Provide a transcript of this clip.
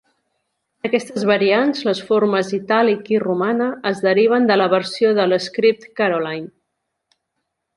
Aquestes variants, les formes "itàlic" i "romana", es deriven de la versió de l'script Caroline.